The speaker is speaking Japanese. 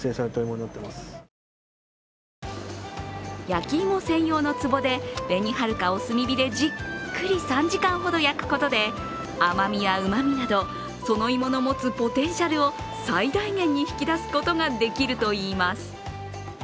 焼き芋専用のつぼで紅はるかを炭火でじっくり３時間ほど焼くことで、甘みやうまみなどその芋の持つポテンシャルを最大限に引き出すことができるといいます。